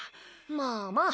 まあまあ。